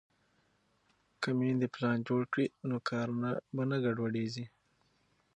که میندې پلان جوړ کړي نو کارونه به نه ګډوډېږي.